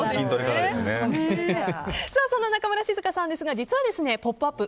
そんな中村静香さんですが実は「ポップＵＰ！」